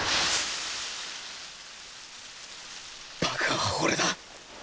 バカは俺だ。